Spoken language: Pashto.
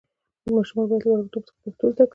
ماشومان باید له وړکتوب څخه پښتو زده کړي.